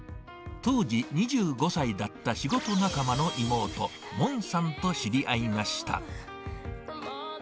当時、２５歳だった仕事仲間の妹、モンさんと知合いました。